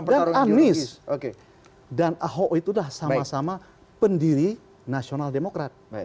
dan anies dan ahok itu adalah sama sama pendiri nasional demokrat